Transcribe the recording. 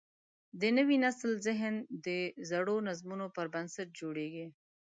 د نوي نسل ذهن د زړو نظمونو پر بنسټ جوړېږي.